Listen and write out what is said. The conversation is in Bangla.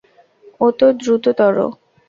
ও তো দ্রুততরও!